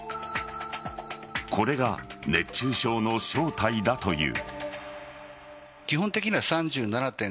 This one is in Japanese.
これが熱中症の正体だという。